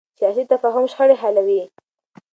سیاسي تفاهم شخړې حلوي